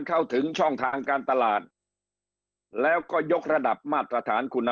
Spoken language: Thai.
เข้าถึงช่องทางการตลาดแล้วก็ยกระดับมาตรฐานคุณ